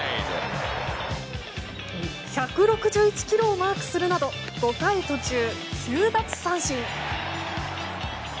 １６１キロをマークするなど５回途中９奪三振。